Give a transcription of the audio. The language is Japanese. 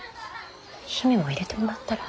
姫も入れてもらったら？